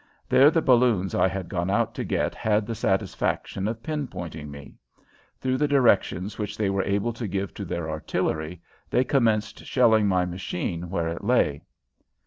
There the balloons I had gone out to get had the satisfaction of "pin pointing" me. Through the directions which they were able to give to their artillery, they commenced shelling my machine where it lay.